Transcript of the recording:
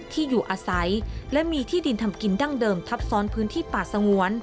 ที่อยู่อาศัยและมีที่ดินทำกินดั้งเดิมทับซ้อนพื้นที่ป่าสงวน